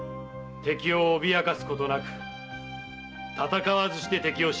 敵を脅かすことなく戦わずして敵を退ける。